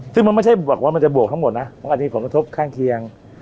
ซึ่งมันไม่ใช่บอกว่ามันจะบวกทั้งหมดนะมันอาจจะมีผลกระทบข้างเคียง